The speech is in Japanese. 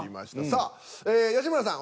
さあ吉村さん